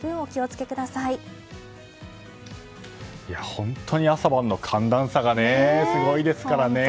本当に朝晩の寒暖差がすごいですからね。